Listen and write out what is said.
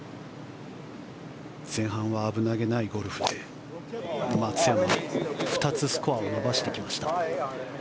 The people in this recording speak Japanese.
前半は危なげないゴルフで松山は２つスコアを伸ばしてきました。